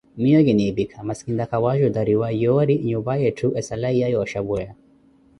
Miiyo kiniipikha masi kintakha wajutariwa yoori nyuupa weettho esala yiiya yooxhapweya.